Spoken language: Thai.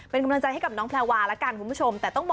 เป็นกำลังใจให้กับน้องแพลวาแล้วกันคุณผู้ชมแต่ต้องบอก